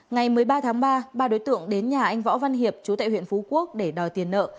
ngày một mươi ba tháng ba ba đối tượng đến nhà anh võ văn hiệp chú tại huyện phú quốc để đòi tiền nợ